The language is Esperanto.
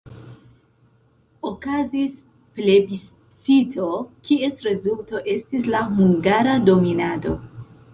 Okazis plebiscito, kies rezulto estis la hungara dominado.